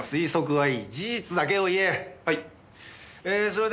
はい。